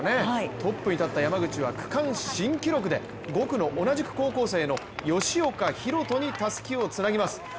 トップに立った山口は、区間新記録で５区の同じく高校生の吉岡大翔にたすきをつなぎます。